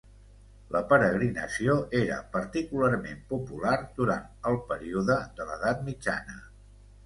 La peregrinació era particularment popular durant el període de l'Edat Mitjana.